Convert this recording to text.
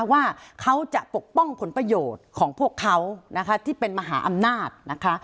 ว่าเขาจะปกป้องผลประโยชน์ของพวกเขานะคะที่เป็นมหาอำนาจนะคะ